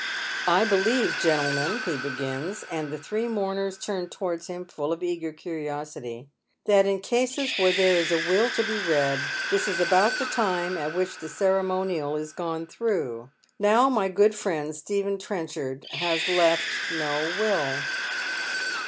" I believe, gentlemen," he begins, and the three mourners tarn towards Lim, full of eager curiosity, " that in cases where 314 Dead Men's Shoes. there is a will to bo read this is about the time at which the ceremonial is gone through. Now my good friends Stephen Trenchard has left no will."